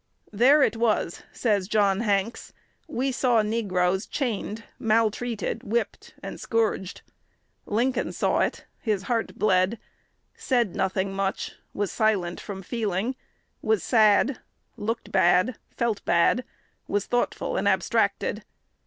"There it was," says John Hanks, "we saw negroes chained, maltreated, whipped, and scourged. Lincoln saw it; his heart bled, said nothing much, was silent from feeling, was sad, looked bad, felt bad, was thoughtful and abstracted.